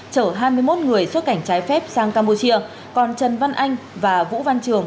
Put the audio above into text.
chở hai mươi một người xuất cảnh trái phép sang campuchia còn trần văn anh và vũ văn trường